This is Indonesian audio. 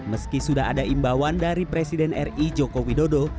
meski sudah ada imbauan dari presiden ri joko widodo